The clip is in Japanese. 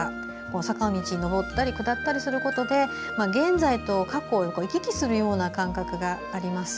坂道を上ったり下ったりすることで現在と過去を行き来するような感覚があります。